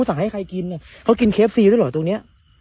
สั่งให้ใครกินเนี่ยเขากินเคฟซีด้วยเหรอตรงเนี้ย